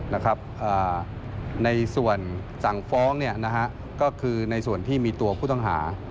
ในส่วนสั่งฟ้องก็คือในส่วนที่มีตัวผู้ต้องหา